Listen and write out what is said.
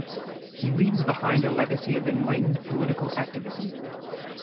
He leaves behind a legacy of enlightened political activism.